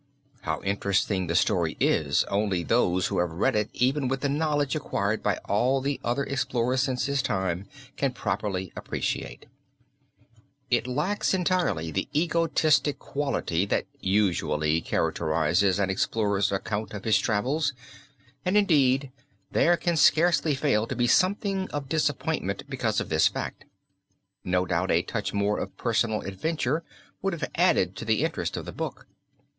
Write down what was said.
How interesting the story is only those who have read it even with the knowledge acquired by all the other explorers since his time, can properly appreciate. It lacks entirely the egotistic quality that usually characterizes an explorer's account of his travels, and, indeed, there can scarcely fail to be something of disappointment because of this fact. No doubt a touch more of personal adventure would have added to the interest of the book.